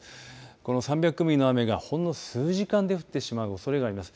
この３００ミリの雨がほんの数時間で降ってしまうおそれがあります。